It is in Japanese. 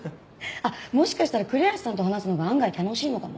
もしかしたら栗橋さんと話すのが案外楽しいのかも。